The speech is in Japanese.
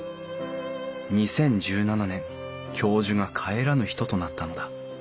２０１７年教授が帰らぬ人となったのだ。